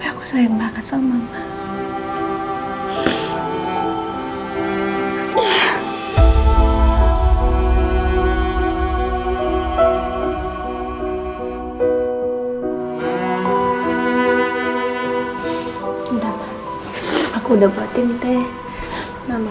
aku juga mau nelfon papa